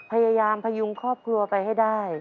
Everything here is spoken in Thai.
พยายามพยุงครอบครัวไปให้ได้